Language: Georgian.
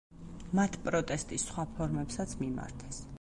მათ პროტესტის სხვა ფორმებსაც მიმართეს.